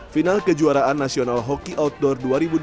final kejuaraan nasional hoki outdoor dua ribu dua puluh